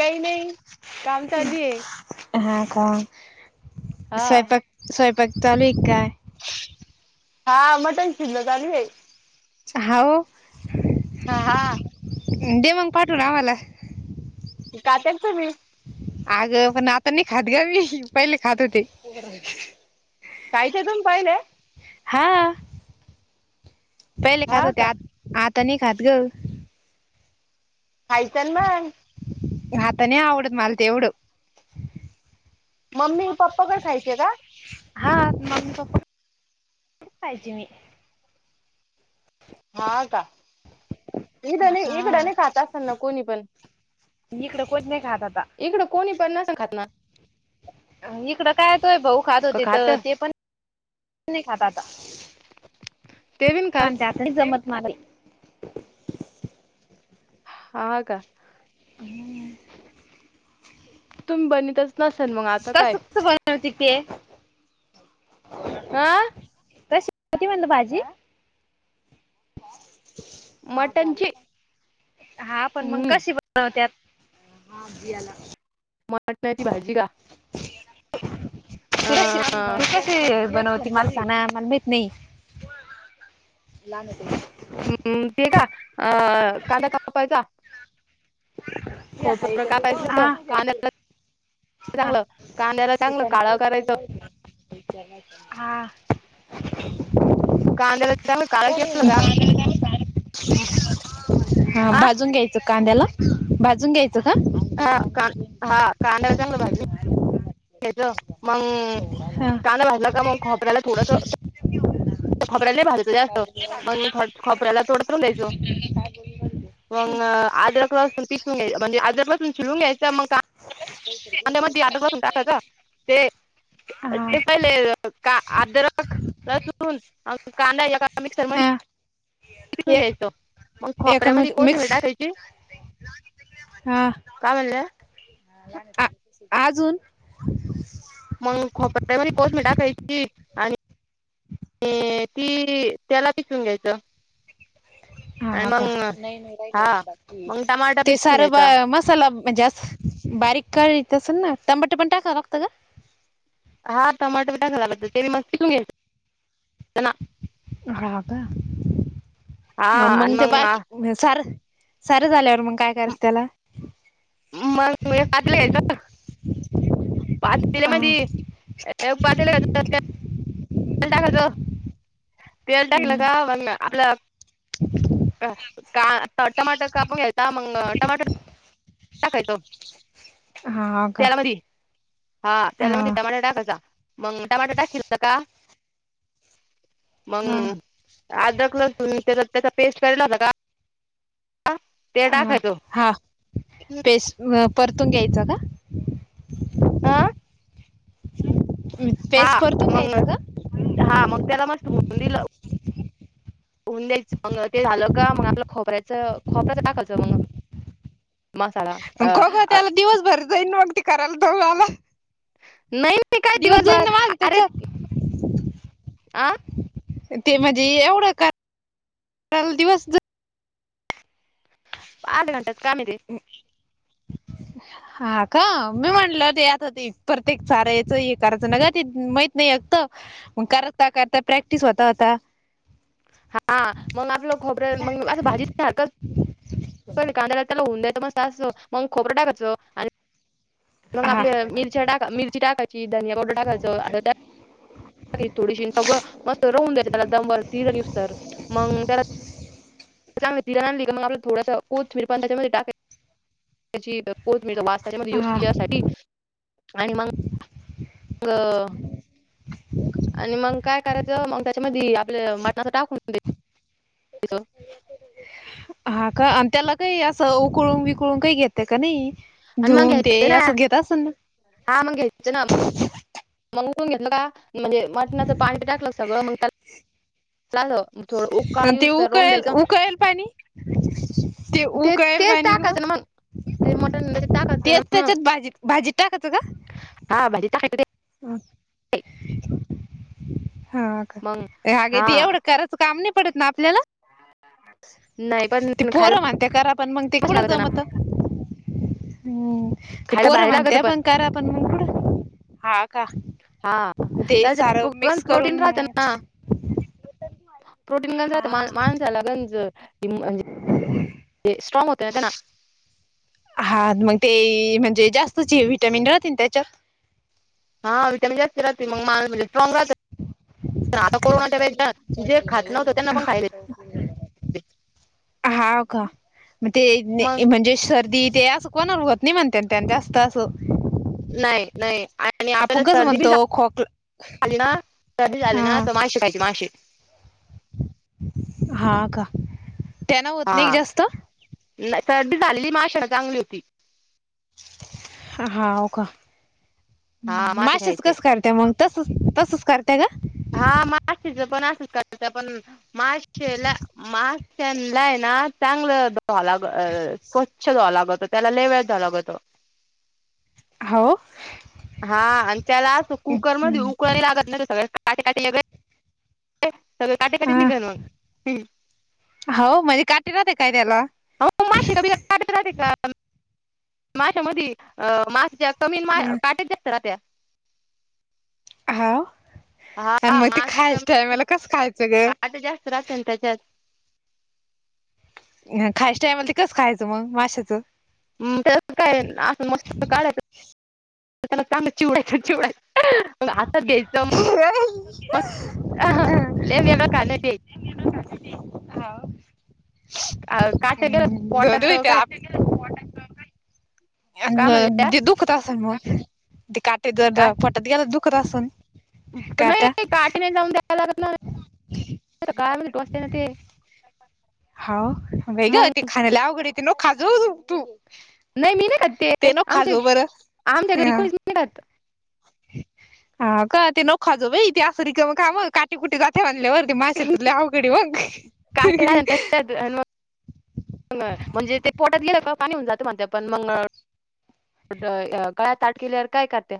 काही नाही काम चालूये हा का हा. स्वयंपाक स्वयंपाक चालू एक काय हा मटन चिल्ल चालू आहे होव ह हा. देवांग पाठव आम्हाला. कात तुम्ही [unintelligible] अग पण आता नाही खात ग मी पहिले खात होते. कायचा तुम्ही पाहिले. हा पहिले खात हा होते. का आ आता नाही. खात ग हायचल मग आता नाही आवडत. मला तेवढं मम्मी पप्पाकडे खायचे का? हा मग पाहिजे मी हा का ड नाही इकडं नाही खात असना कोणी पण इकडे कोणीच नाही खात त इकडं कोणी पण न सां खात ना इकडं काय तोय भाऊ खात होते तर ते पण नाही खात आता ते बी नाय खात तरी जमत नाही आ का आणि आहे [unintelligible] तुम्ही बनीतच नसेल मग आता काय? वतीिक [unintelligible] हो आ कशी होती म्हणत भाजी? हा झाले मटणची हा पण मग हम्म कशी बनवतात हा अयाला [unintelligible] मटण्याची भाजी का? अ तय [unintelligible] कसे बनवते मला खना मला माहित नाही हम् ते का अ कांदा कापायचा खोबरं कापायचं पाहिज हो का चांगलं कांद्याला चांगलं काळं करायचं हा [unintelligible] कांद्याला चांगलं काळं केलं का हा भाजून घ्यायच कांद्याला भाजून घ्यायचं का? हा का हा कांद्यावर चांगलं भाजी घ्याज मग हा का नाही वाजलं का मग खपऱ्याला थोड ोऱ्यालालतं मगथ खोऱ्याला ोड वंग आ्र क्लास खिसून घ्यायचं मग अजुन [inaudible] अध्यामध्ये आठ बासून टाकायच ते हा ते पहिले [unintelligible] का आदरकसून कांदा याका मिक्सर म हा ून ए घ्यायच मग खोपऱ्यामध्ये एकमेक कोत मिक्स टाकायची हा का म्हण हा अजून मग खोप कोर्स म टाकायची आणि [inaudible] ते ती त्याला पिसवून घ्यायचं आणि हा मग का हा मग टमाटा ते पिसून सार ब घ्यायचा मसाला मग जास्त बारीक काळीे असल ना टमाटे पण टाकाव लागत का हा टमाटो बी टाका झाला तर ते मी मस्त चिरून घ्या ना रा का हा आणि मंग ते मग बाकी सार सारं झाल्यावर मग काय करायचं त्याला मग पातेलं घ्यायचं पातल्या मध्ये अ एक पातेल घ्याच त्याच्यामध्ये तेल टाकायचं तेल टाकल का आपल्या का का टमाटर कापून घ्यायचा मग टमाटर [unintelligible] हा का तेलामधी हा तेलामध्ये टोमाॅटो टाकायचा मग टोमाॅटो टाकेलं का [inaudible] मग अद्रक, लसून त्याचा त्याचा पेस्ट करायला लागल का ते अ टाकायचं हा पेस्ट परतून घ्यायचं का हा [inaudible] हा परतून मग घ्यायचं हा मग त्याला मस्त भुनुन दिलं होऊन द्यायचं मग ते झालं का मग आपलं खोबऱ्याच खोबऱ्याच टाकायचं मग मसाला का खो अह ग अ त्याला दिवसभर [unintelligible] करायला नाही नाही काय दिवस जाईन दिवनभर ना माझ अरे त्याच्यात अ ते म्हणजे एवढं का दिवस आध्या घंटाच काम आहे ते [inaudible] हा का मी म्हटलं ते आता ते प्रत्येक चारायचं हे करायचं ना का ते माहतू नाही अत मग करता करता प्रॅक्टिस होता होता हा मग आपलं खोबरे मग असं भाजी ह कांद त्याला ऊन द्याच मस्त असं खोबर टाकायच आणि मग हा आपल्या मिरच्या टा मिरची टाकायची धनिया पावडर टाकायचं थोडीशी सगळं मस्त राहून द्यायंच त्याला दमबर तीन दिवस तर मग त्याला त्याची चांगली धिरा आणली का थोडासा कोथिंबीर थोडंसं टाकायचं कोथिंबीरचा वास त्याला हा येण्यासाठी आणि मग तर आणि मग काय करायचं मग त्याच्यामध्ये आपलं मटणाचं टाकून द्याच हा का त्याला काही असं उकळून बिकळून काही घेते का नाही आणि मग धुऊन ते घ्यायचं ना असं घेत असल ना हा मग घ्यायचं ना मग उकळून घेतलं का म्हणजे मटणाचं पाणी टाकलं सगळं मग त्या ला मग थोडं उकाळ ते येऊस तवर राहून उकळेल द्यायच उकळेल पाणी ते तेच टाकाचं ना मग ते मटण टाकायचं ना तेच मग त्याच्यात भाजीत भाजीत टाकायचं का? हा भाजी टाकाय हा कां मग हा ते एवढं करत तसं काम नाही पडतं ना आपल्याला नाही पण ते खायला पोरं म्हणतंय करा पण मग ते मस्त कुठं लागत ना जमतं हम्म ते खायला पोरं भारी म्हणतंय लागत त्या पण करा पण कुठं हा का हा ते त्याच सार गंज मिक्स प्रोटीन करून राहत मग ना प्रोटीन ग हा माणसाला गंज [inaudible] स्ट्रॉंग होते यात ना, हा मग ते, म्हणजे जास्तची विटॅमिन राहते ना त्यांच्यात. हा व्हिटॅमिन जास्त राहती मग, मा म्हणजे स्ट्रॉग राहती. आता कोरोनाच्या वेली जे खातं नव्हतं. त्यांना पण खायाले. हाव का, मग ते मग म्हणजे सर्दी ते असं. कोणा होत नाही म्हणत्यात असं जास्त असं नाही. नाही. आणि आपण आपल्याला कसं सर्दी बी म्हणतो खोकला झाली ना सर्दी झाली ना हा तर मासे खायचे मासे हा का त्यांना होत नाही हा जास्त नाही सर्दी झालेली मास्याला चांगली होती हाव कां, हा मासे मासेच खायचे कसं कराय त्यामुळं तसचं तसचं करताय का. हा मासेच पण असंच करतात. पण मासे ला मा त्यांना यना चांगलं धुवावं लागलं, स्वच्छ धुवाव लागत त्याला लय वेळ धुवा लागतं. हो. हा, आणि त्याला असं कुकर मध्ये उकळून लागत नाही सगळ काटे काटे लगेज. सगळे काटे काटे हा निघालं. हम, हाव म्हणजे काटे राहते काय त्याला. हो मासे मध्ये काटे राहते [unintelligible] कमी मास काट जास्त राहतंय. हाव आणि हा मग ते मासे खायच्या कमी टायमाला कसं आणि खायचं ग? काटे जास्त राहते ना तेचात. खायच टाईम ला ते, कसं खायचं मग माशाचं. म... त्याचात काय असं मस्त काढायचं. त्याला चांगलं चुडायचं चुडायचं. [unintelligible] काट गेलं पोटात काय [unintelligible] काय म्हणल्या ते दुखतं असन मग, ते काटे जर काट पोटात गेला दुखत असन. नाही काटे नाही जाऊन द्यायला लागत ना, गळया मध्ये टोचतंय ना ते, हाव बाई मग गं खाणं लई आवघड ते, नको खात जाऊ तू. नाही मी नाही खातं ते, नको खा आमच्या जाऊ बरं आमच्याघरी कोणीचं नाही खातं. हाव का ते नको खात जाऊ बाई ते, असं रिकामं कामं काटे कुटे जातंय म्हणालावर. ते मासेचं लई अवघड आहे काटे राहत्या मग. ना त्याच्यात म्हणजे ते पोटात गेलं का, पाणी होऊन जातं पण मगं. गळ्यात अटकेल्यावर काय करत्या.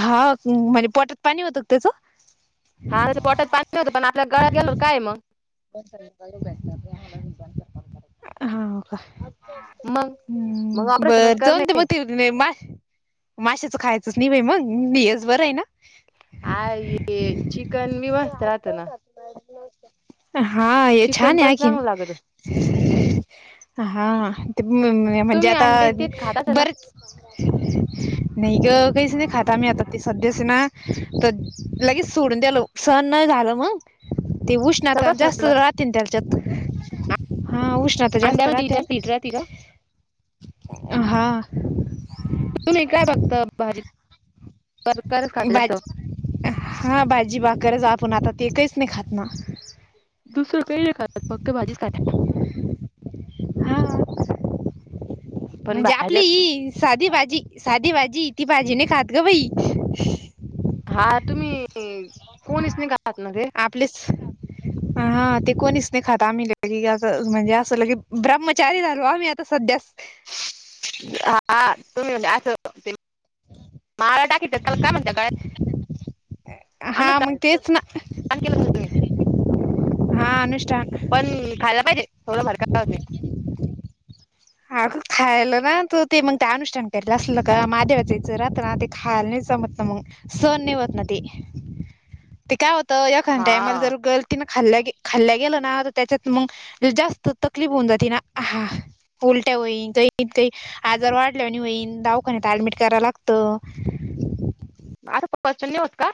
हा म्हणजे पोटात पाणी होतं का त्याचं. हा पोटात पाणी होतं, पण आपल्या गळात गेल्या वर काय मगं. हाव का. मग मग हम्म.. ऑपरेशनच बरं करणे जाऊन ते मग. नाही मास माशाचं खायचंच नाही बाई मगं, हेच बरं आहे ना. हाय ये, चिकन मी मस्त राहतो ना. हा ये चिकन छान पण आखिन, चांगलं लागत हा ते म्हणजे तुम्ही आता अंडे तेच खाताच ना बरचं. नाही ग काहीच नाही खात आम्ही, आता ती सध्या स ना तर लगेच सोडून द्यालो. सण नाही झालं मग ते, उष्णता सगळं जास्त सोडलं राहते तेच्यात. हा उष्णता जास्त अंड्यामध्ये राहत्याल जास्त हिट राहते का हा. तुम्ही काय बघता. जास्त बाजी हा, बाजी बाकरच आपण आता तेच काहीच नाही खात ना. दुसर काही र खात. पक्क भाजीच खात्या. हा.. पण म्हणजे आपली भाज्या ई. साधी भाजी, साधी भाजी ती भाजी नाही खातं गं बाई. हा तुम्ही कोणीच नाही खात ना ते. आपलीच हा ते, कोणीच नाही खात लगे असं म्हणजे असं. ब्रह्मचारी राहिलो. आम्ही आता सध्यास. हा तुम्ही असं. माळा टाकीित चला काय म्हणत गळ्यात हा मग तेच ना. आण के ब तुमही हा अनुषान पण खायला पाहिजे थोडं भारकाजे हा खायला ना तो ते मग ते अनुष्ठान करायलं असलं का मादेवा जायचं राह ना ते खाय. समत ना मग सण निवत ना ती ते काय होत एखाान टायमाला हा जर गल तिन खाल्ल्या गे खाल्ल्या गेल ना त्याच्यात मग जास्त तकलीफ होऊन जाति ना आ. उलट्या होईन काही काही आजार वाढल्या नाही होईन दावखान्यात ऍडमिट करायला लागत. मच् होत का?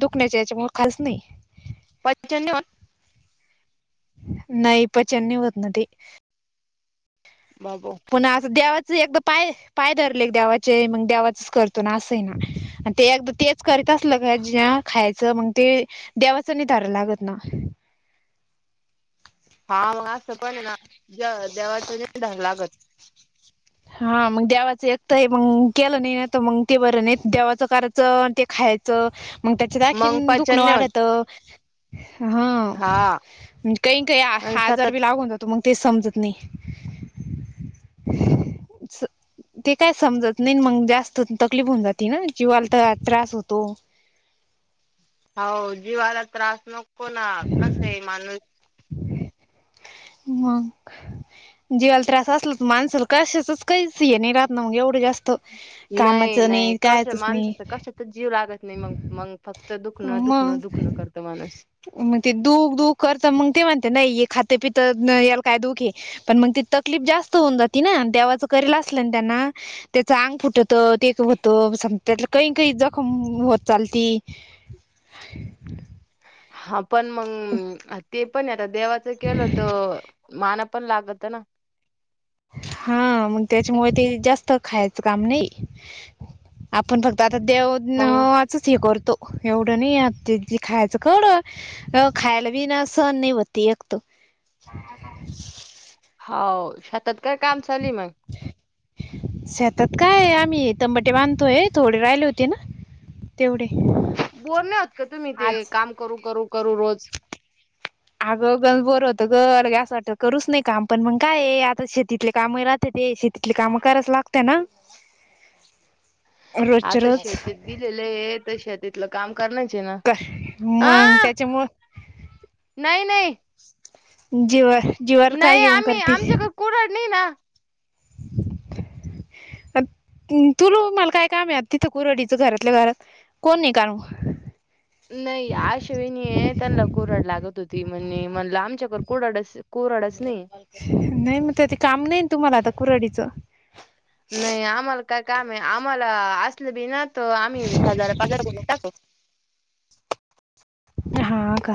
दुखण्याचे याच्यामुळे खाास नाही. पंचन् नाही पचन नाही होत ना ते बाब पुन्हा असं देवाच एकदा पाय पाय धरले देवाचे मग देवाचच करतो ना असंही ना. ते एकदा तेच करीत असलं का ज खायचं मग ते देवाचं नि तारव लागत ना. हा असं पण ना देवाच नाही ध्यान लागत. हा मग देवाचं एक तर मग केलं नाही ना तर मग ते बरं नाही देवाचं कार ते खायचं मग मग त्याच्याखीन पचन दुखणं नाही होत वाढतं. हा हा काही काही आजार अंशातच बी लागून त मग ते समजत नाही. [unintelligible] ते काय समजत नाही मग जास्त तकलीफ होऊन जाते ना किवाला तर त्रास होतो. हो जीवाला त्रास नको ना कस आहे माणूस मग जीवाला त्रास असला तर माणसाला कशाचच काहीच ये नाही राह ना मग एवढं जास्त नाही कामाचं नाही कस कायचच नाही माणसाच कशा तच जीव लागत नाही मग मंग फक्त दुखणं दुखणं मग दुखणं करतं मानी माणूस मग ते दुख दुख करत मग ते म्हणते नाही हे खातं पित याला काय दुख हे. पण मग ती तकलीफ जास्त होऊन जाते ना देवाचं करेल असलं ना त्यांना त्याच अंग फुटत ते होतं त्यात काही काही जखम होत चालती. [unintelligible] हा पण मग ते पण आता देवाचं केलं तर माना पण लागत ना. हा मग त्याच्यामुळे ते जास्त खायचं काम नाही. आपण फक्त आता देऊ न मग हे करतो एवढं नाही आ जे खायचं कळ अ खायला वीना सहन नाही होती एकत. हाव शेतात काय काम चाली मग. [unintelligible] शेतात काय आम्ही तंबाटे बांधतोय थोडे राहिले होते ना. तेवढे बोर नाही होत का तुम्ही ते आज. काम करू करू करू रोज. अगं घरी बोर होतं ग असं वाटतं करूस नाही काम पण मग काय हे आता शेतीतले काम ती शेतीतली काम कराच लागते ना रोजच्या आता रोज शेतीत दिलेलय तर शेतीतलं काम करण्याच आहे ना कर आ मग त्याच्यामु नाही नाही. जीवर जेवण काय नाही येऊन आम्ही करते. आमच्याकडे कुऱ्हाड नाही ना अ तु ल मला काय काम आहे तिथं कुरडीचं घरातल्या घरात कोण नि कालू नाही अश्विनी आहे त्यांना कोरड लागत होती म्हणल आम त्याच्या कुडड कोूरडच नाही. नाही मग ते ते काम नाही तुम्हाला आता कुराडीचं नाही आम्हाला काय काम आहे आम्हाला असलं बी ना तर आम्ही हजार पगार [unintelligible] टाकू हा का्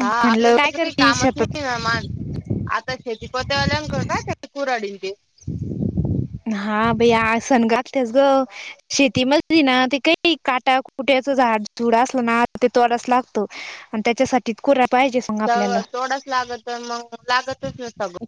हा आपल्याला काय त्याचं काही करतीये कामच शेतात नाही ना मान आता शेतीपत आल्यान [unintelligible] का काय शेती कुराडींचे हा बे आ सण आत्या ग शेतीमध्येली ना ते काही काटा कुट्याचं झाड झुड असलं ना ते तोडच लागतो. आणि त्याच्यासाठी कुऱ्हाड पाहिजेच. तेोडाच लागत मग लागतच ना सगळं